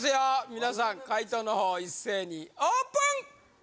みなさん解答の方一斉にオープン！